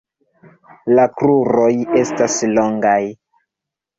La kruroj estas longaj.